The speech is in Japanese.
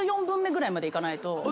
分目ぐらいまでいかないと。